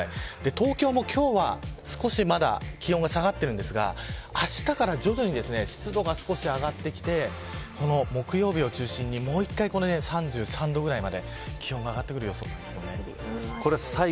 東京も今日は、少しまだ気温が下がっているんですがあしたから徐々に湿度が少し上がってきて木曜日を中心にもう一回３３度ぐらいまで気温が上がってくる予想なんです。